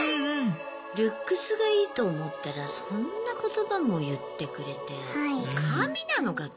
ルックスがいいと思ったらそんな言葉も言ってくれて神なのかと。